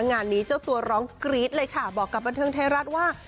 งานนี้เจ้าตัวร้องกรี๊ดเลยค่ะบอกกับบันเทิงไทยรัฐว่า